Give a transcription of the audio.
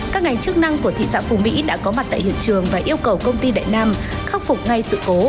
các ngành chức năng của thị xã phú mỹ đã có mặt tại hiện trường và yêu cầu công ty đại nam khắc phục ngay sự cố